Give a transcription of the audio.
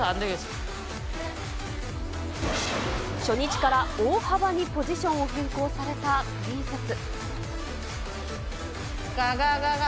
初日から大幅にポジションを変更されたプリンセス。